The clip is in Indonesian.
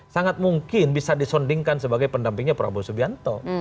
sangat mungkin bisa disondingkan sebagai pendampingnya prabowo subianto